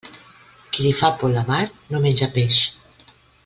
Qui li fa por la mar no menja peix.